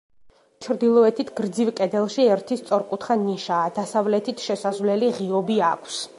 ჩრდილოეთით გრძივ კედელში ერთი სწორკუთხა ნიშაა, დასავლეთით შესასვლელი ღიობი აქვს.